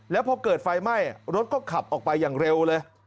แล้วพอเกิดไฟไหม้รถก็ขับออกไปอย่างเร็วเลย